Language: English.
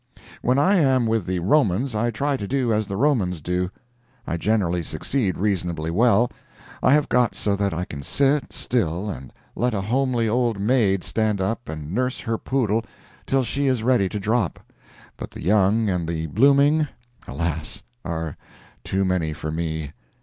When I am with the Romans I try to do as the Romans do. I generally succeed reasonably well. I have got so that I can sit still and let a homely old maid stand up and nurse her poodle till she is ready to drop, but the young and the blooming, alas! are too many for me.